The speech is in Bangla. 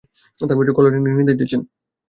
কল্যাণেরই নির্দেশ দিচ্ছেন।